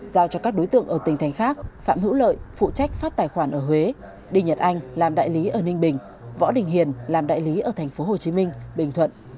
giao cho các đối tượng ở tỉnh thành khác phạm hữu lợi phụ trách phát tài khoản ở huế đinh nhật anh làm đại lý ở ninh bình võ đình hiền làm đại lý ở tp hcm bình thuận